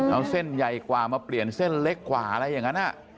เอาเส้นใหญ่กว่ามาเปลี่ยนเส้นเล็กกว่าอะไรอย่างนั้น